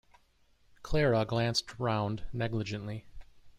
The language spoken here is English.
Clara glanced round negligently.